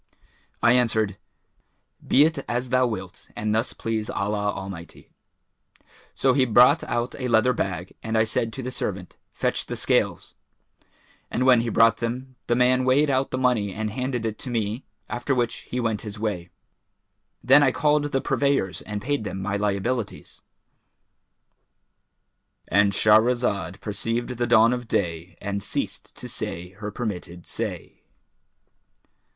I answered, 'Be it as thou wilt, an thus please Allah Almighty.' So he brought out a leather bag and I said to the servant, 'Fetch the scales;' and when he brought them the man weighed out the money and handed it to me, after which he went his way. Then I called the purveyors and paid them my liabilities"—And Shahrazad perceived the dawn of day and ceased to say her permitted say.